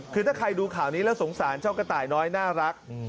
คือถ้าใครดูข่าวนี้แล้วสงสารเจ้ากระต่ายน้อยน่ารัก